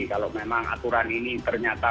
kalau memang aturan ini ternyata